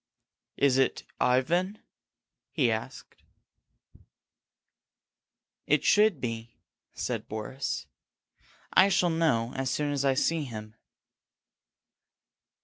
"Is it Ivan?" he asked. "It should be," said Boris. "I shall know as soon as I see him."